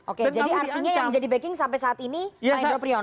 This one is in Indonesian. oke jadi artinya yang menjadi backing sampai saat ini pak hendro priyono